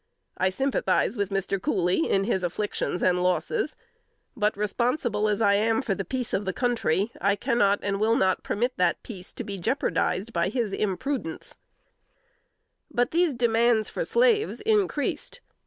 _ I sympathize with Mr. Cooley in his afflictions and losses; but responsible as I am for the peace of the country, I cannot and will not permit that peace to be jeopardized by his imprudence." But these demands for slaves increased.